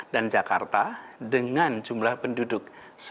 dan jakarta dengan jumlah penduduk sebelas